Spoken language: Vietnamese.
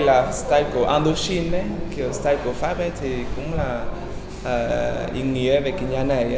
và style của andochine kiểu style của pháp thì cũng là ý nghĩa về cái nhà này